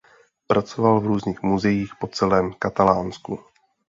Pracoval v různých muzeích po celém Katalánsku.